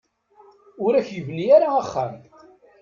Ur ak-yebni ara axxam.